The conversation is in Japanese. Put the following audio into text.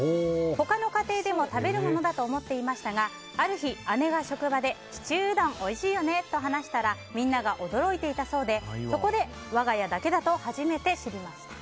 他の家庭でも食べるものだと思っていましたがある日、姉が職場でシチューうどんおいしいよねと話したらみんなが驚いていたそうでそこで我が家だけだと初めて知りました。